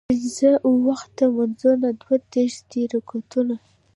پينځۀ اوکه مونځونه دوه دېرش دي رکعتونه